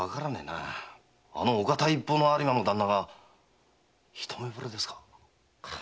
あのお堅い一方の有馬の旦那が一目ぼれですか。